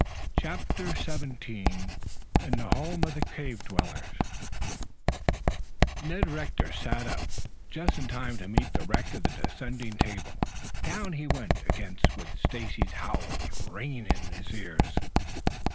CHAPTER XVII IN THE HOME OF THE CAVE DWELLERS Ned Rector sat up just in time to meet the wreck of the descending table. Down he went again with Stacy's howls ringing in his ears.